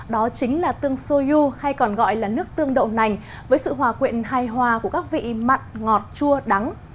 đó chính là tương soyu hay còn gọi là nước tương đậu nành với sự hòa quyện hai hòa của các vị mặn ngọt chua đắng